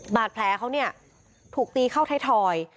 บาดแผลเขาเนี่ยถูกตีเข้าไทยทอย